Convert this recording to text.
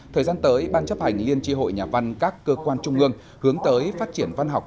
thời gian tới ban chấp hành liên tri hội nhà văn các cơ quan trung ương hướng tới phát triển văn học